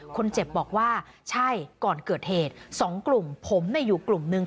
คนเจ็บบอกว่าใช่ก่อนเกิดเหตุ๒กลุ่มผมอยู่กลุ่มหนึ่ง